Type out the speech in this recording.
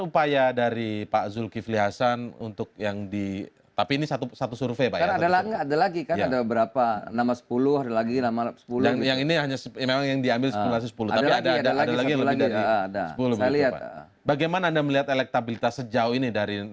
pertanyaan mana tadi